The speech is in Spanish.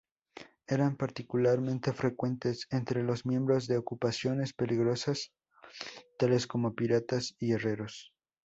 Eran particularmente frecuentes entre los miembros de ocupaciones peligrosas tales como piratas y herreros.